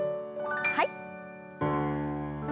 はい。